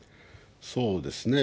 そうですね。